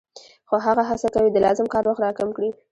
خو هغه هڅه کوي د لازم کار وخت را کم کړي